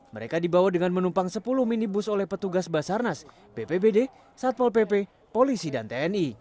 mereka dibawa dengan menumpang sepuluh minibus oleh petugas basarnas bpbd satpol pp polisi dan tni